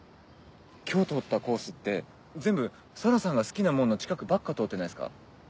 今日通ったコースって全部空さんが好きなもんの近くばっか通ってないっすか？